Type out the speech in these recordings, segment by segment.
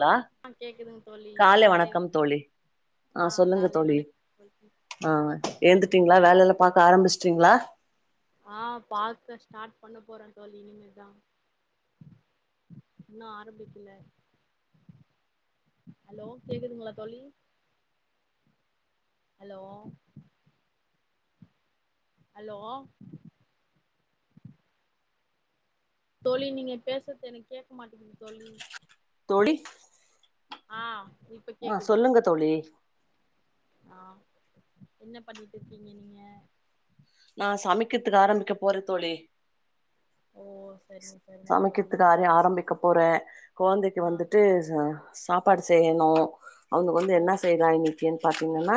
Hello ஆ கேக்குதுங்க தோழி காலை வணக்கம் தோழி ஆ சொல்லுங்க காலை தோழி வணக்கம் தோழி. ஆ எப்டி இருக்கீங்க ஏந்துட்டீங்ளா வேலைலா பாக்க ஆரம்பிச்சிட்டீங்ளா? ஆ பாக்க ஸ்டார்ட் பண்ண போற தோழி இனிமேதா இன்னு ஆரம்பிக்கல ஹலோ கேக்குதுங்களா தோழி ஹலோ ஹலோ தோழி நீங்க பேசுறது எனக் கேக்க மாட்டிக்கிது தோழி தோழி ஆ இப்ப அ கேக்குது சொல்லுங்க தோழி ஆ என்ன பண்ணிட்டு இருக்கீங்க நீங்க நா சமைக்றதுக்கு ஆரம்பிக்க போறே தோழி ஓ சரிங்க சரிங்க தோழி சமைக்கிறதுக்கு [unintelligible] ஆரம்பிக்க போறே கொழந்தைக்கு ஆ வந்துட்டு சாப்பாடு செய்யணு அவுங்க வந்து ஓ என்ன செய்றாங்க [unintelligible] பாத்தீங்கன்னா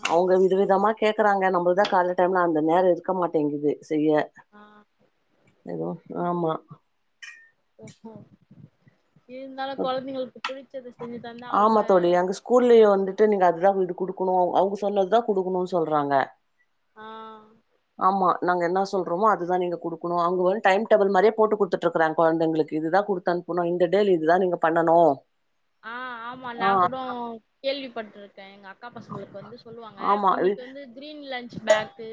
ஆ அவுங்க வித விதமா கேக்குறாங்க நம்மதா கால்ல டைம்ல அந்த நேர இருக்க மாட்டெங்குது செய்ய ஆ எதுவு ஆ ஒஹோ இருந்தாலு கொழந்தைங்களுக்கு புடிச்சது ஆமா தோழி அங்க ஸ்கூல்லயே வந்துட்டு நீங்க அதுதா குடுக்கணு அவுங்க சொன்னதுதா குடுக்கணுன் சொல்றாங்க ஆ ஆமா நாங்க என்ன சொல்றோமோ அதுதா நீங்க குடுக்கணு அங்க வந்து டைம் டேபிள் மாரியே போட்டு குடுத்துட்ருக்குறாங்க கொந்தைங்களுக்கு இதுதா குடுத்தனுப்பணு இந்த டேல இதுதா நீங்க பண்ணனு ஆ ஆமா நா கூட கேள்விப்பட்ருக்கே எங்க அக் கா பசங்களுக்கு வந்து சொல்வாங்க ஆமா. இல் இன்னைக்கி வந்து கிரீன் லன்ச் சு பேக்கு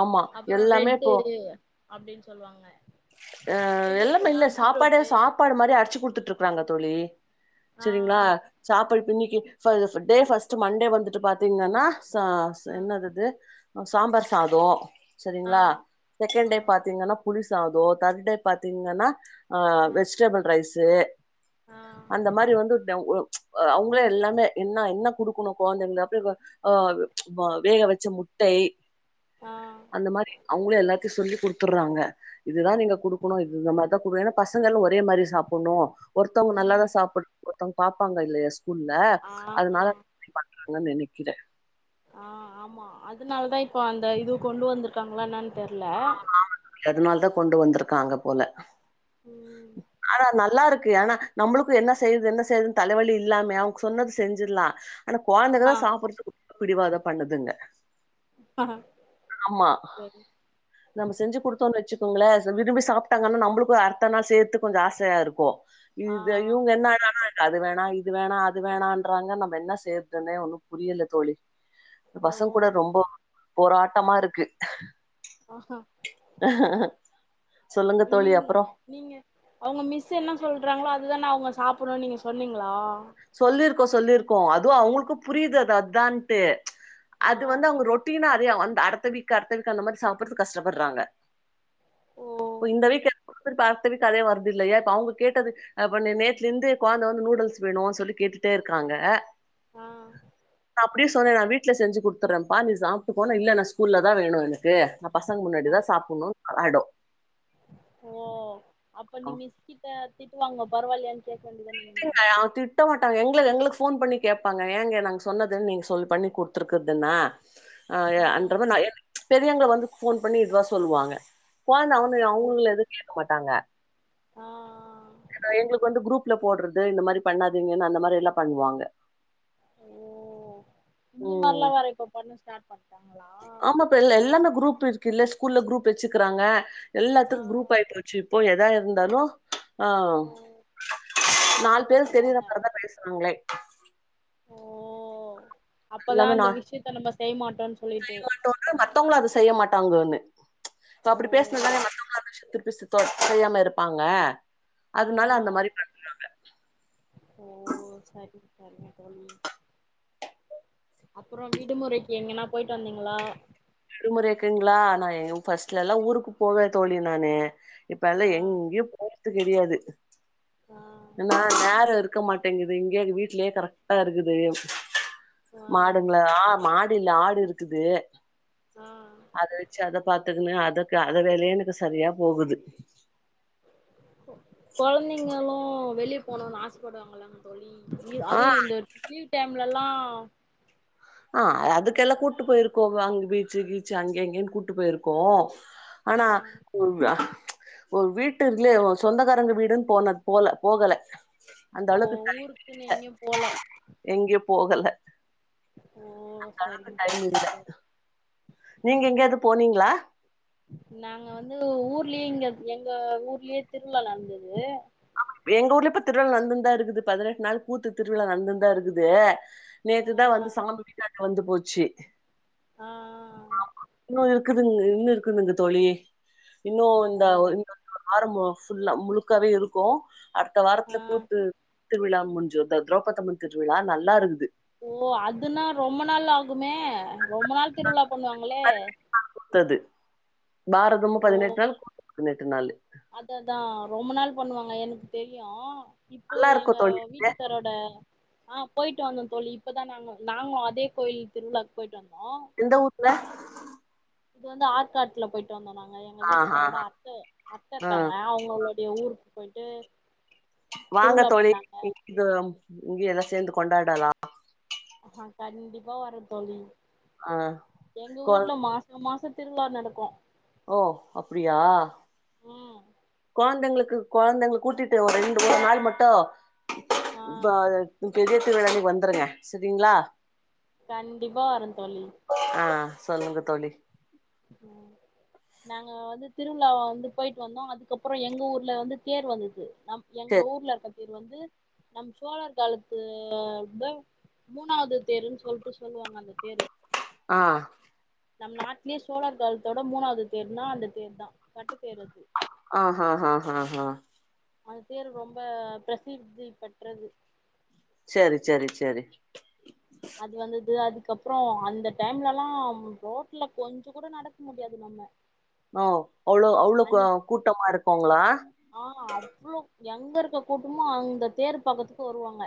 ஆமா எல்லாமே போ அப்டின் சொல்வாங்க அ எல்லாமே இல்ல சாப்பாடே சாப்பாடு மாரி அடுச்சு குடுத்துட்ருக்குறாங்க தோழி ஆ செரிங்ளா சாப்ப இப்ப இன்னிக் கி ஃப டே ஃபஸ்ட்டு மண்டே வந்துட்டு பாத்தீங்கன்னா சா ஆ என்னதிது சாம்பார் சாதொ ஆ சரிங்ளா செகண்ட் ஆ டே பாத்தீங்கனா புளி சாதோ தர்டே பாத்தீங்கன்னா ஆ வெஜிடபிள் ரை ஸு ஆ அந்த மாரி வந்து டவ் ஒ அவுங்களே எல்லாமே என்ன என்ன குடுக்கணு கொழந்தைங்க [unintelligible] ஆ வ வேக வச்ச முட்டை ஆ அந்த மாரி அவுங்களு எல்லாத் து சொல்லி குடுத்துர்றாங்க இதுதா நீங்க குடுக்கணு இது இந்த மாரிதா குடுக்க ஏன்னா பசங்களு ஒரே மாரி சாப்புன்ணு ஒருத்தவங்க நல்லாதா ம் சாப்பட்ற் ஒருத்தங்க பாப்பாங்க இல்லயா ஸ் கூல்ல ஆ ஆ அதனால [unintelligible] நெனைக்கிறே. ஆ ஆமா அதனாலதா இப்போ அந்த இது கொண்டு வந்திருக்காங்களா என்னான் அதனாலதா கொண்டு வந்துருக் காங்க போல. ம் ஆனா நல்லா இருக்கு. ஆனா நம்பளுக்கு என்ன செய்யறது என்ன செய்யறதுன்னு தலவலி இல்லாம அவங்க சொன்னது செஞ்சிர்லா. ஆனா கொழந்தைகதா ஆ சாப்படுறதுக்கு பிடிவாதோ பண்ணுதுங்க. ஆமா சரி நம்ம செஞ்சு குடுத்தோன்னு வச்சு க்கோங்களே சா விரும்பி சாப்ட்டாங்கன்னா நம்பளுக்கு அ டுத்த நாள் செய்றுத்துக்கு கொஞ்ச ஆசயா இருக்கு. ஆ இது இவங்க என்னாடான்னா அது வேணா இது வேணா அது வேணான்றாங்க நம்ப என்ன செய்யறதுன்னே ஒன்னு புரியல தோழி. ஓ பசங் கூட ரொம்போ போராட்டமா இருக்கு. ஆஹா சொல்லுங்க தோழி நீங் அப்றோ நீங்க அவங்க மிஸ் என்ன சொல்றாங்களோ அதுதான அவ ங்க சாப்படனுன்னு நீங்க சொன்னீங்ளா? சொல்லிருக்கோ சொல்லிருக்கோ அ து அவங்களுக்கு புரியுது அது அதான்ட்டு. ஆ அது வந்து அவங்க ரொட்டீனா து வந் அடுத்த வீக் அடுத்த வீக் அந்த மாரி சாப்புடறதுக்கு கஷ்டப்படுறாங்க. ஓ இப்ப இந்த வீக் எடு [unintelligible] அதே வர்றது இல்லையே இப்ப அவங்க கேட்டது அ இப்ப நே நேத்துல இருந்து கொழந்த வந்து நூடுல்ஸ் வேணு சொ ல்லி கேட்டுட்டே இருக்காங்க. ஆ அப்டியு சொன்னே நானு வீட்ல செஞ்சு குடுத்துறேம்ப்பா நீ சாப்ட்டு போன்னா இல்ல நா ஸ்கூல்லதா வேணு எனக்கு நா பசங்க ஆ முன்னாடிதா சாப்பட்ணுன்னு அடோ ஓ அப்ப நீ மிஸ் கிட்ட திட்டு வாங்குவ பரவால்லயான்னு கே ஆ அவங்க திட்ட மாட்டாங்க எங்கள எங்களுக் ஃபோன் பண்ணி கேப்பாங்க. ஏங்க நாங்க சொன்னது என் நீங்க சொல் பண்ணி குடுத்துருக்கறது என்ன? ஆ ய அந்த மாரி நா ஏற் பெரியவங்கள வந்து போன் பண்ணி இதா சொல்வாங்க ஃபோன்ல அவனு ஓ அவங்கல எதுவு கேக்க மாட்டாங்க ஆ எங்களுக்கு வந்து குரூப் போடுறது இந்த மாரி பண்ணாதீங்கன்னு அந்த மாரி எல்லா பண்ணுவாங்க ஓ இந்த ம் மாரிலா வேற இப்போ பண்ணா ஸ்டார்ட் பண் ஆமா இப்ப எல் எல்லாமே குரூப் பிருக் கில்ல ஸ்கூல்ல குரூப் வெச்சுக்குறாங்க ஆ எல்லாத்துக் குரூப் ஆயிற்றுச்சு இப்போ எ எதா இருந்தாலு ஆ ஓ நாலு பேர் தெரிர போட்டுர்றாங்க போலதா பேசுவாங்களே ஓ அப்பதா எல்லாமே அந்த நா விஷயத்த நம்ம செய்ய மாட்டோன்னு சொல்லிட்டு செய்யமாட்டோனா மத்தவங்களு அத செய்ய மாட்டாங்கோன்னு ம்ச் ஓ அப்படி பேசின நாள [unintelligible] பேசுது தொத்தையாம இருப்பாங்க ஆ அதனால அந்த ஆ மாரி பண்றாங்க ஓ சரிங்க சரிங்க தோழி அப்பறோ விடுமுறைக்கு எங்கன்னா போயிட்டு வந்தீங்களா விடுமுறைக்குங்களா நா எ ஃபஸ்ட்ல எல்லா ஊருக்கு போவ தோழி நானு இப்ப எல்லா ஆ எங்யு போற து கெடையாது ஆ என்னா நேரோ இருக்க மாட்டேங்குது இங்யே வீட்லயே கரெக்ட்டா இருக்குது ஆ மாடுங்கள ஆ மாடு மாடு இல்ல ஆடு இருக்குது ஆ அத வெச்சு அத பாத்துக்குணு அது அதுக்கு அத வேலயே எனக்கு சரியா போகுது கொழந்தைங்களு வெளியப் போனுன்னு ஆசப்படுவாங்களங்க தோழி இ ஆ அதுவு இந்த லீவ் டைம் முல்ல எல்லா அ அதுக்கெல்லா கூட்டு போயிருக்கோ வாங்கு பீச்சு கீச்சு அங்கே இங்கேன்னு கூட்டு போயிருக்கோ ஆ ஆனா [unintelligible] ம்ச் ஒரு வீட்டு இதுலயே சொந்தக்காரங்க வீடுன்னு போனது போல போகல அந்த ஓ அளவுக்கு ஊருக்குன்னு எங்யும் போல எங்கயு போகல ஓ சரிங்க டைம் சரிங்க இல்ல தோழி. நீங்க எங்கயாவது போனீங்களா? லயே இங்க எங்க ஊர்லயே திருவிழா நடந்தது. எங்க ஊர்ல இப்ப திருவிழா நடந்துன்தா இருக்குது பதினெட்டு நாள் கூத்து திருவிழா நடந்துன்தா இருக்குது. ஆ நேத்துதா வந்து சாமி வந்து போச்சு. ஆ இன்னு இரு க்குதுங்க இன்னு இருக்குதுங்க தோழி. இன்னு ஓ இந்த ஒரு வாரம் ஃபுல்லா முழுக்காவே இருக்கு. அடுத்த ஆ வாரத்துல கூத்து திருவிழா முட்ஞ்சு இந்த திரௌபத்து அம்மன் திருவிழா நல்லா இருந்துது. ஓ அதுனா ரொம்ப நாள் ஆ குமே ரொம்ப நாள் திருவிழா பண்ணுவாங்களே? த்தது பாரதமு பதினெட்டு நாள் பதினெட்டு நாளு அது அதா ரொம்ப நாள் பண்ணுவாங்க எனக்கு தெரியு. இப்போ நல்லா இருக்கு எங்க தோழி வீட்டுக்காரோட ஆ போயிட்டு வந்தோ தோழி இப்பதா நாங்க நாங்களு அதே கோயில் திருவிழாக்கு போயிட்டு வந் எந்த ஊர்ல? இது வந்து ஆற்காட்ல போயி ட்டு வந்தோ நாங்க. எங்க ஆ ஆ வீட்டுக்காரோட அத்த அத்த ஆ இருக்காங்க அவங்களுடைய ஊர் போய்ட்டு வாங்க தோழி இ இது இங்கயு எல்லா சேந்து கொண்டாடலா. ஆ கண்டிப்பா வரே தோழி. ஆ எங்க கொ ஊர்ல மாச மாசோ திருவிழா நடக்கு. ஓ அப்டியா? ம் கொ ழந்தைங்களுக்கு கொழந்தைங்கள கூட்டிட்டு ஒரு ரெண்டு ஒரு நாள் மட்டு ஆ வா இது பெரிய திருவிழா அன்னக்கி வந்துருங்க சரிங்களா? கண்டிப்பா வரே தோழி. ஆ சொல்லுங்க தோழி. ம் நாங்க வந்து திருவிழாவா வந்து போயிட்டு வந்தோ அதுக்கப்புறோ எங்க ஊர்ல வந்து தேர் வந்துது. நம் எங்க சேரி ஊர்ல அந்த ர் வந்து நம் சோழர் காலத்து ட மூணாது தேருன்னு சொல்லிட்டு சொல்லுவாங்க அந்த தேரு அ நம் நாட்டுலயே சோழர் காலத்தோடு மூணாது தேருணா அந்த தேரு தா வட்ட தேர் அது அ ஹா ஹா ஹா ஹா அந்த தேரு ரொம்ப பிரசித்தி பெற்றது சரி சரி சரி அதுக்கப்றோ அந்த டைம்லலாம் ரோட்ல கொஞ்ச கூட நடக்க முடியாது நம்ம அ அவ்ளோ அவ்ளோ அன்னிக் கூட்டமா இருக்கோங்களா ஆ அவ்ளோ எங்க இருக்க கூட்டமும் அந்த தேர் பக்கத்துக்கு வருவாங்க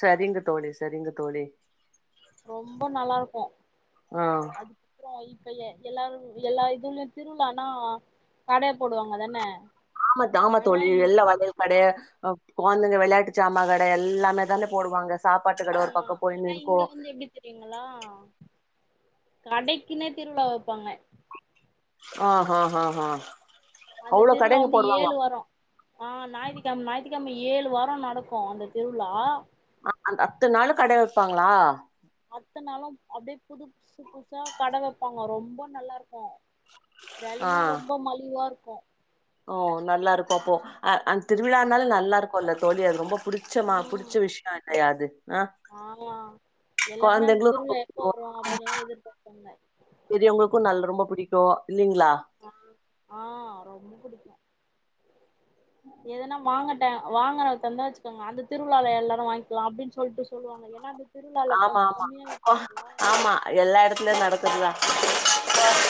சரிங்க தோழி சரிங்க தோழி ரொம்ப நல்லா இருக்கும் ஆ அதுக்கப்றோ இப்ப எல்லாரும் எல்லா இதுலயும் திருவிழானா கடை போடுவாங்க தானே ஆமா த் ஆமா தோழி எல்லா வளையல் கட ஆ கொழந்தைங்க வெளையாட்டு சாமகடை எல்லாமே தானே போடுவாங்க சாப்பாட்டு ஆ கட ஒரு பக்கம் போயின்னு ஆனா இருக்கு இங்க வந்து எப்டி தெரிங்களா கடைக்குன்னே திருவிழா வைப்பாங்க ஹா ஹா ஹா ஹா அந்த அவ்ளோ திருழா கடைங்க வந்து போடுவாங்க ஏழு வாரம் அ ஞாயிற்றுக்கிழமை ஞாயிற்றுக்கிழமை ஏழு வாரம் நடக்கும் அந்த திருவிழா ஆ அத்த நாளும் கட வைப்பாங்களா அத்தனாளு அப்டியே புது புதுபுதுசா கடவைப்பாங்க ரொம்ப நல்லா இருக்கும் ஆ வெலையும் ரொம்ப மலிவா கும் ஓ நல்லா இருப்போ அப்போ திருவிழானால ம் நல்லா இருக்குல தோழி அது ரொம்ப புடிச்சமா ம் புடிச்ச விஷயுல்லையாது அ ஆமா எல்லாருமே அந்த கொழந்தைங்களும் ரொம்ப திருவிழா எப்போ புடிக்கும் வரு அப்டின்னுல்லா எதிர்பார்ப்பாங்க பெரியவங்களுக்கு நல் ரொம்ப பிடிக்கும் ஆ ஆ ரொம்ப பிடிக் எதனா வாங்கன் வாங்குன தந்த வச்சிக்கோங்க அந்த திருவிழால எல்லாரும் வாங்கிக்கலாம் அப்டின்னு சொல்லிட்டு சொல்வாங்க ஏனா ஆமாமா ஆமா எல்லா எடத்துலயும் நடக்கிறது தா அ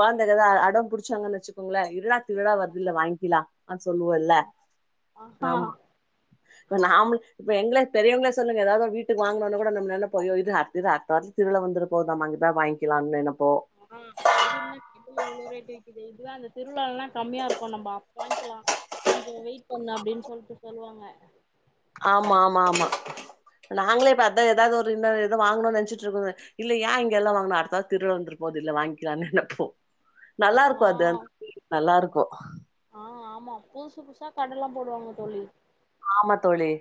கொழந்தைக தா அடம் புடிச்சாங்கன்னு வச்சுக்கோங்களா இருடா திருவிழா வருதுல வாங்கிக்கலா அ சொல்லுவோம்ல ஆஹா ஆமா நாம் இப்ப எங்க பெரியவங்கள சொல்லுங்க ஏதாது வீட் ட்டுக் வாங்னோன கூட நம்னால போய இது [unintelligible] திருவிழா வந்துறபோதாமா அங்கிதா வாங்கிலாம்னு எனப் ம் ஐ என்ன [unintelligible] புல்ல இவ்ளோ ரேட் விக்கிது இதுவே அந்த திருவிழால்ல கம்மியா இருக்கு நம்ப அப்போ வாங்க்கிலா கொஞ்ச வெயிட் பண்ணு அப்டின் சொல்ட்டு சொல்வாங்க ஆமா ஆமா ஆமா நாங்களே இப்ப அதா எதாது ஒரு இன்னொ எதொ வாங்கணுன் நென்ச்சிட்ருக்கோம இல்ல ஏ இங்கெல்லா வாங்கனு அடுத்த வாரொ திருவிழ வந்துரு போதில்ல வாங்க்கிலான்னு நெனப்போ நல்லா ஆ இருக்கு அது [inaudible] நல்லா இருக் கு ஆ ஆமா பூசுபுதுசா கடல்லா போடுவாங்க தோழி ஆமா தோழி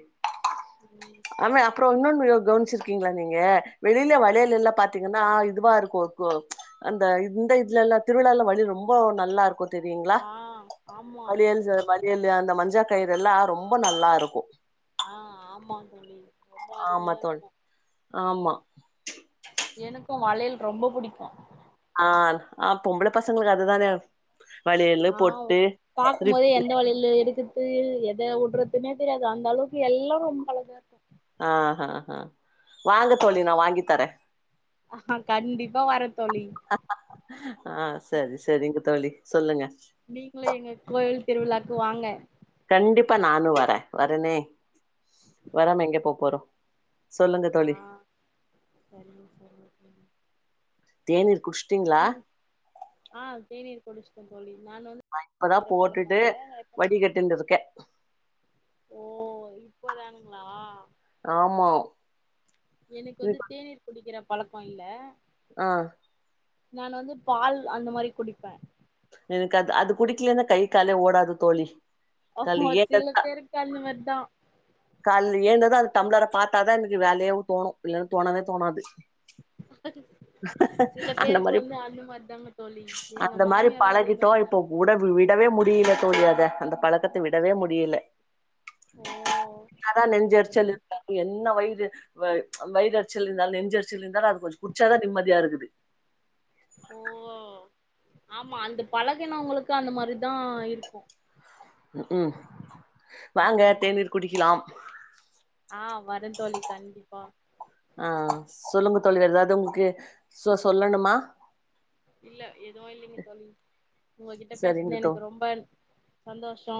ம் அம்மெ அப்றொ இன்னொன் னியு கவனிச்சிருக்கீங்ளா நீங்க வெளில ஆ வளையல் எல்லா பாத்தீங்கன்னா இதுவாருக்குகு அந்த இந்த இதுலல்லா திருவிழால்ல வளியல் ரொம்ப நல்லா இருக்கு தெரியுங்ளா ஆ ஆமா வளியல்ஸு வளியலு அந்த மஞ்சா கயிறெல்லா ரொம்ப நல்லா இருக்கு ஆ ஆமா தோழி ரொம்ப ஆமா அருமையா தோழி இருக்கு ஆமா கு வளையல் ரொம்ப புடிக்கு ஆ ஆ பொம்பளபசங்களுக்கு அதுதானே வளையலு ஆ பொட்டு ரிப் பாக்கும்போதே எந்த வளையிலு எடுக்கர் து எத வுட்றதுன்னே தெரியாது அந்த அளவுக்கு எல்லா ரொம்ப அழகாருக்கு ஆ ஹ ஹ வாங்க தோழி நா வாங்கித்தரே அ ஹ கண்டிப்பா வர தோழி ஆ சரி சரிங்க தோழி சொல்லுங்க நீங்களு எங்க கோயில் திருவிழாக்கு வாங்க கண்டிப்பா நானு வரே வரனே வராமா எங்க போ போறோ சொல்லுங்க ஆ தோழி சரிங்க சரிங்க தோழி தேனீர் குடிச் நீங் ஆ தேநீர் குடுச்ட்டோ தோழி நான் வந்து நா இப்பதா குடிக்கிற பழக்கோ போட்டுட்டு இல்ல வடி கட்டின்டுருக்கே இப்பதானுங்ளா ஆமா எனக்கு வந்து ம் தேநீர் குடிக்கிற பழக்கொ இல்ல ஆ நான் வந்து பால் அந்த மாரி குடிப்பே எனக்கு அது அது குடிக்லென்னா கை காலே ஓடாது தோழி ஓஹோ கால்ல சில [unintelligible] பேருக்கு அந்த மாரிதா கால்ல ஏந்தாதா அது டம்ளர பாத்தாதா எனக்கு வேலையாவு தோணு இல்லன்னா தோணவே தோணாது சில அந்த பேருக்கு மாரி வந்து அந்த மாரி தாங்க தோழி எங்க அந்த மாரி மாமியாரு அ பழகிட்டோ இப்ப உட விடவே முடி டில தோழி அத அந்தப் பழக்கத்த விடவே முடியல ஓ அதா நெஞ்செரிச்சல் செரிங்க இருக்காது என்ன வயி று வ‌ வயிறு எரிச்சல் இருந்தால் நெஞ்சு எரிச்சல் இருந்தாலு அது கொஞ்சொ குட்ச்சாதா நிம்மதியா இருக்குது ஓ ஆமா அந்த பழகுனவங்களுக்கு அந்த மாரிதா இருக்கு ம் ம் வாங்க ம் தேநீர் குடிக்கலாம் ஆ வரெந்தோழி கண்டிப்பா ஆ சொல்லுங்க தோழி வேற எதாது உங்குக்கு சொ சொல்லணுமா இல்ல எதுவு இல்லைங்க தோழி உங்ககிட்ட சரிங்க பேசுதுல தோ எனக்கு ரொம்ப சந்தோஷொ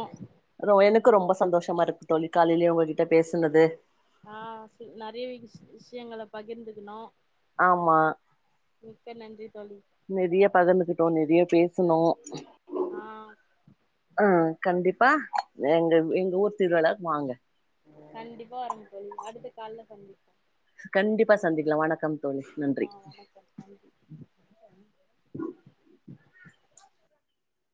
ஷமா இருக்கு தோழி காலைலெயே உங்க கிட்ட பேசுனது ஆ நெறைய வி விஷ்யங்கள பகிர்ந்துக்குனோ ஆமா மிக்க நன்றி தோழி நிறைய பகிர்ந்து கிட்டோ நிறைய பே சுனோ ஆ ஆ கண்டிப் பா எங்க எங்க ஊர் திருவிழாவுக் வாங்க கண்டிப்பா வர தோழி அடுத்த கால்ல சந்திக்லா கண்டிப்பா சந்திக்லா வணக்கம் தோழி நன்றி ஆ வணக்கம் நன்றி